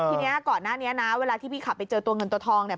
ทีนี้ก่อนหน้านี้นะเวลาที่พี่ขับไปเจอตัวเงินตัวทองเนี่ย